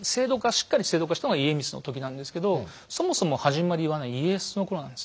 しっかり制度化したのが家光の時なんですけどそもそも始まりはね家康の頃なんですね。